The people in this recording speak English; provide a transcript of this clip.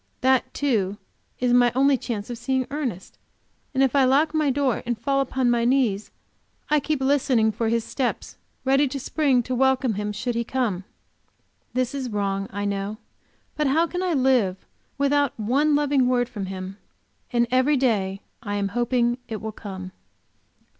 That, too, is my only chance of seeing Ernest and if I lock my door and fall upon my knees, I keep listening for his step, ready to spring to welcome should he come. This is wrong, I know, but how can I live without one loving word from him, and every day I am hoping it will come.